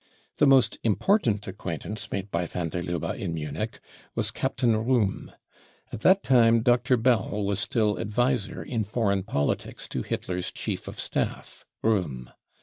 The most important acquaintance made by van deT Lubbe in Munich was Captain Rohm. At that time Dr. n 1 VAN bER LUBEE, THE TOOL 57 Bell was still advised in foreign politics to Hitlers chief of staff, Rohm.